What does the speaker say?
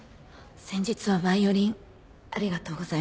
先日はバイオリンありがとうございました。